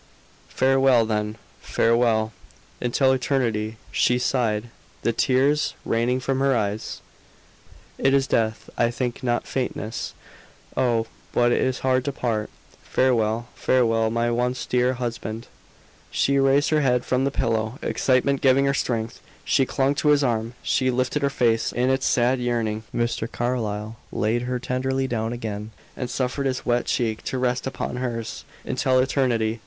"Farewell, then; farewell, until eternity," she sighed, the tears raining from her eyes. "It is death, I think, not faintness. Oh! but it is hard to part! Farewell, farewell my once dear husband!" She raised her head from the pillow, excitement giving her strength; she clung to his arm; she lifted her face in its sad yearning. Mr. Carlyle laid her tenderly down again, and suffered his wet cheek to rest upon hers. "Until eternity."